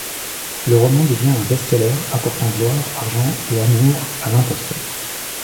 Le roman devient un best-seller apportant gloire, argent et amour à l'imposteur.